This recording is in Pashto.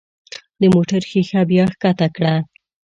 د موټر ښيښه بیا ښکته کړه.